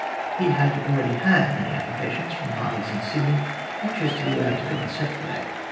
He had already had many applications from parties in Sydney, anxious to be allowed to go and settle there.